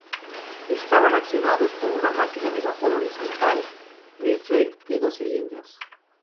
Estaban accionados por una máquina de vapor horizontal Maudslay de dos cilindros.